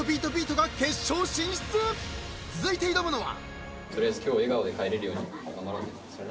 ［続いて挑むのは］